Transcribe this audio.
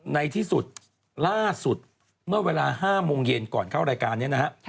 ในที่สุดล่าสุดเมื่อเวลา๕โมงเย็นก่อนเข้ารายการนี้นะฮะ